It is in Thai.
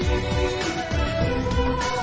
โอ้โอ้โอ้โอ้